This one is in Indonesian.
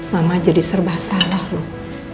mama jadi serba salah loh